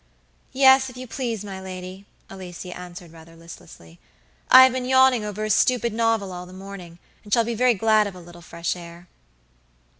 "Yes, if you please, my lady," Alicia answered, rather listlessly. "I have been yawning over a stupid novel all the morning, and shall be very glad of a little fresh air."